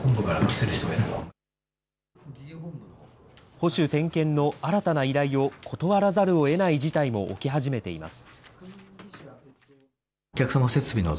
保守点検の新たな依頼を断らざるをえない事態も起き始めています。